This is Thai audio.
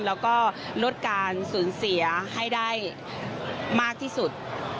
แล้วก็ลดการสูญเสียให้ได้มากที่สุด